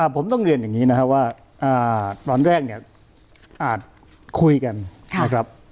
ผมต้องเรียนอย่างนี้นะครับว่าตอนแรกเนี่ยอาจคุยกันนะครับ